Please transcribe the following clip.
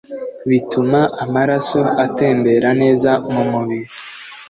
bituma amaraso atembera neza mu mubiri